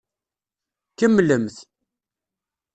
Kemmlemt.